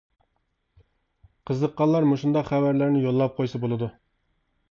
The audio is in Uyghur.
قىزىققانلار مۇشۇنداق خەۋەرلەرنى يوللاپ قويسا بولىدۇ.